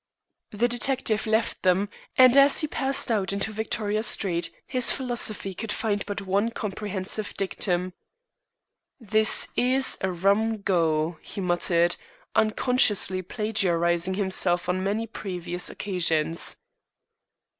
The detective left them, and as he passed out into Victoria Street his philosophy could find but one comprehensive dictum. "This is a rum go," he muttered, unconsciously plagiarizing himself on many previous occasions.